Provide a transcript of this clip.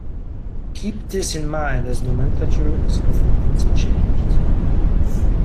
Keep this in mind as nomenclature is often interchanged.